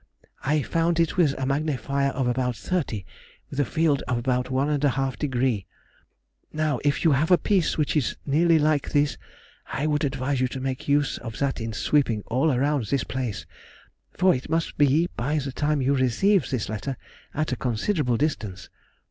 I found it with a magnifier of about 30, with a field of about 1½ degree. Now, if you have a piece which is nearly like this, I would advise you to make use of that in sweeping all around this place, for it must be, by the time you receive this letter, at a considerable distance.